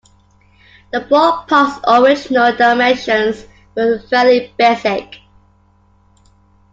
The ballpark's original dimensions were fairly basic.